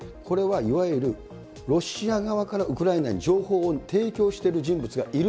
これはいわゆるロシア側からウクライナに情報を提供している人物